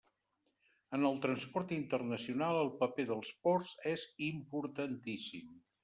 En el transport internacional el paper dels ports és importantíssim.